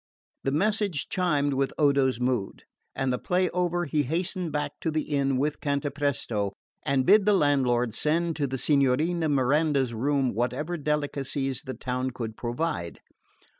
The message chimed with Odo's mood, and the play over he hastened back to the inn with Cantapresto, and bid the landlord send to the Signorina Miranda's room whatever delicacies the town could provide.